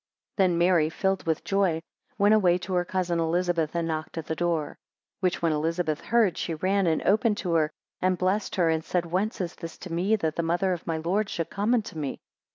19 Then Mary, filled with joy, went away to her cousin Elizabeth, and knocked at the door. 20 Which when Elizabeth heard, she ran and opened to her, and blessed her, and said, Whence is this to me, that the mother of my Lord should come unto me?